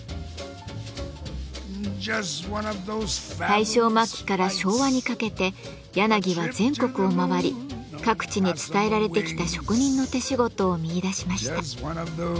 大正末期から昭和にかけて柳は全国を回り各地に伝えられてきた職人の手仕事を見いだしました。